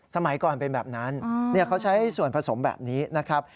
สมัยก่อนเป็นแบบนั้นเขาใช้ส่วนผสมแบบนี้นะครับ